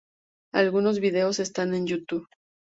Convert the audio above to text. Algunos videos están en YouTube.